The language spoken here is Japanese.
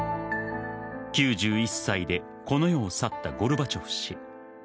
９１歳でこの世を去ったゴルバチョフ氏。